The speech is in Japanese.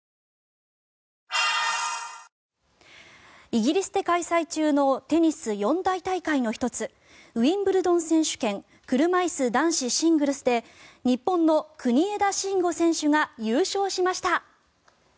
イギリスで開催中のテニス四大大会の１つウィンブルドン選手権車いす男子シングルスで日本の国枝慎吾選手が優勝しました。